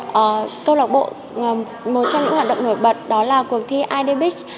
câu lạc bộ một trong những hoạt động nổi bật đó là cuộc thi id beach